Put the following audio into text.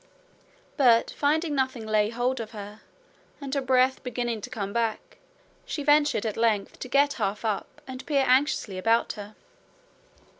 But finding nothing lay hold of her, and her breath beginning to come back, she ventured at length to get half up and peer anxiously about her.